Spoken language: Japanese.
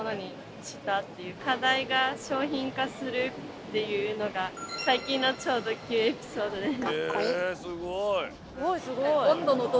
っていうのが最近の超ド級エピソードです。